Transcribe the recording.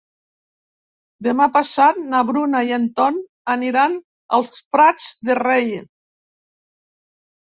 Demà passat na Bruna i en Ton aniran als Prats de Rei.